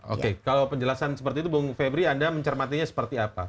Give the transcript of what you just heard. oke kalau penjelasan seperti itu bung febri anda mencermatinya seperti apa